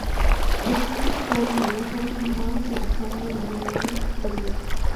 Escenas para el video fueron filmadas en la zona de Miami Beach, Florida.